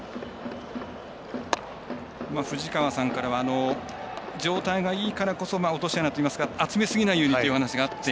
藤川さんからは状態がいいからこそ落とし穴といいますか集めすぎないようにというお話があって。